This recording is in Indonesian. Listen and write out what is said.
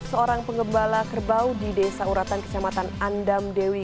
seorang pengembala kerbau di desa uratan kecamatan andam dewi